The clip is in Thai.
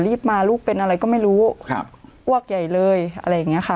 รีบมาลูกเป็นอะไรก็ไม่รู้ครับอ้วกใหญ่เลยอะไรอย่างเงี้ยค่ะ